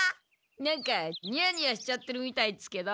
なんかニヤニヤしちゃってるみたいですけど。